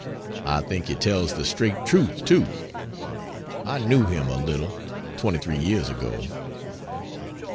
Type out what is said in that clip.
I think he tells the straight truth, too. I knew him a little, 23 years ago.